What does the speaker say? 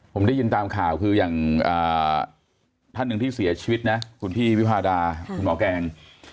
ผมได้ยินตามข่าวคืออย่างท่านหนึ่งที่เสียชีวิตนะคุณพี่วิพาดาคุณหมอแกง